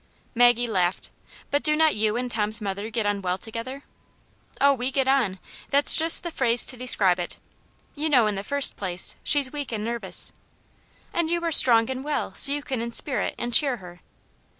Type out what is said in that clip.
Maggie laughed. "But do not you and Tom's mother get on well together V^ " Oh, we get on ; that's just the phrase to describe it I You know, in the first place, she's weak and nervous." " And you are strong and well. So you can in spirit and cheer her."